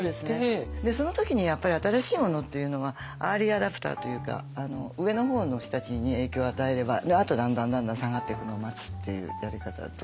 でその時にやっぱり新しいものっていうのはアーリーアダプターというか上の方の人たちに影響を与えればあとだんだんだんだん下がっていくのを待つっていうやり方ですよね。